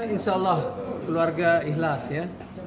insya allah keluarga ikhlas ya